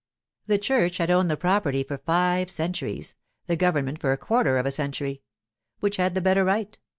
The church had owned the property for five centuries, the government for a quarter of a century. Which had the better right?